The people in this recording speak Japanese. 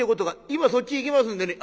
「今そっち行きますんでね」。